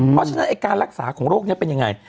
เพราะฉะนั้นการรักษาของโรคนี้เป็นยังไง